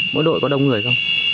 mỗi đội có đông người không